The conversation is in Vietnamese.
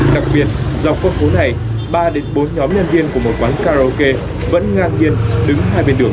đặc biệt dọc con phố này ba bốn nhóm nhân viên của một quán karaoke vẫn ngang nhiên đứng hai bên đường